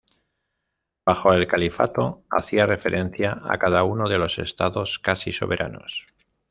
Bajo el Califato, hacía referencia a cada uno de los estados casi soberanos.